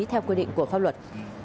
theo quy định của pháp luật